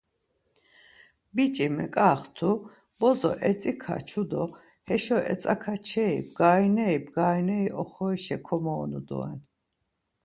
Biç̌i meǩaxtu bozo etzikaçu do heşo etzakaçeri bgarineri bgarineri oxorişa komoonu doren.